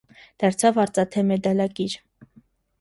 Դարձավ արծաթե մեդալակիր։